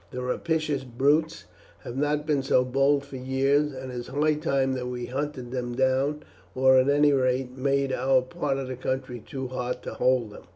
The rapacious brutes have not been so bold for years, and it is high time that we hunted them down, or at any rate made our part of the country too hot to hold them.